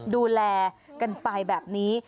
ดูแลกันไปแบบนี้